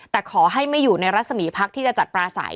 แต่ขอให้ไม่อยู่ในรัศมีพักที่จะจัดปลาใส